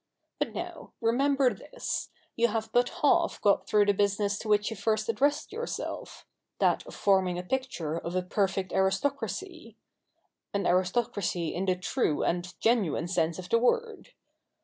But now, remember this — you have but half got through the business to which you first addressed yourselves — that of forming a picture of a perfect aristo cracy—an aristocracy in the true and genuine sense of the word.